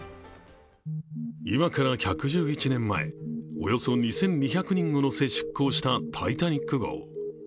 今から、１１１年前およそ２２００人を乗せ出航した「タイタニック」号。